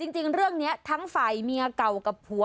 จริงเรื่องนี้ทั้งฝ่ายเมียเก่ากับผัว